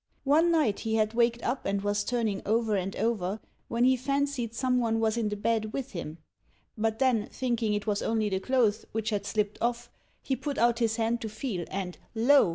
One night he had waked up and was turning over and over, when he fancied some one was in the bed with him; but then, thinking it was only the clothes which had slipped off, he put out his hand to feel, and, lo!